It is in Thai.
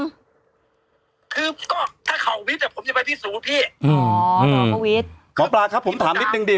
ถ้าข่าววิทย์ผมจะไปพิสูจน์อ๋อพี่ห่อพราตผมถามนิดหนึ่งดี